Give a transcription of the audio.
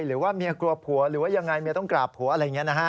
หรือว่าเมียกลัวผัวหรือว่ายังไงเมียต้องกราบผัวอะไรอย่างนี้นะฮะ